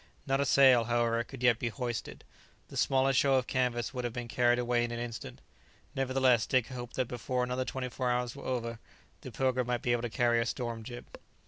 Not a sail, however, could yet be hoisted; the smallest show of canvas would have been carried away in an instant; nevertheless Dick hoped that before another twenty four hours were over, the "Pilgrim" might be able to carry a storm jib.